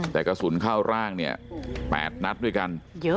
แต่กระสุนเข้าร่างเนี่ย๘นัดด้วยกัน